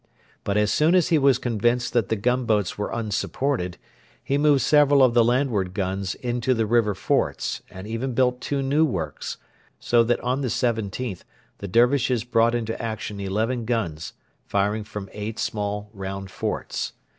But as soon as he was convinced that the gunboats were unsupported he moved several of the landward guns into the river forts, and even built two new works, so that on the 17th the Dervishes brought into action eleven guns, firing from eight small round forts.